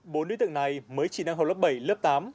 bốn đối tượng này mới chỉ đang học lớp bảy lớp tám